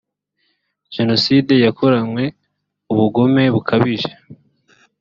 jenoside yakoranywe ubugome bukabije.